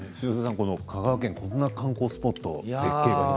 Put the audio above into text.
香川県にはこんな観光スポットが？